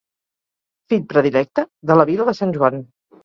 Fill predilecte de la vila de Sant Joan.